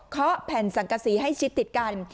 เคาะแผ่นสังกะศรีให้ชิบติดกัน